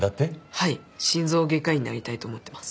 はい心臓外科医になりたいと思ってます。